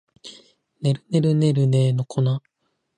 ねるねるねるねの一の粉